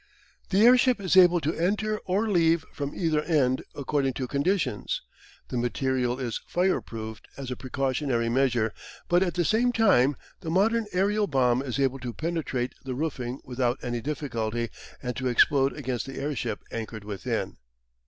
The airship is able to enter or leave from either end according to conditions. The material is fireproofed as a precautionary measure, but at the same time the modern aerial bomb is able to penetrate the roofing without any difficulty and to explode against the airship anchored within.